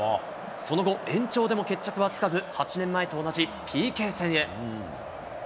その後、延長でも決着はつかず、８年前と同じＰＫ戦へ。